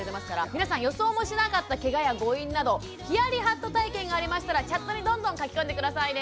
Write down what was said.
皆さん予想もしなかったケガや誤飲などヒヤリハット体験がありましたらチャットにどんどん書き込んで下さいね。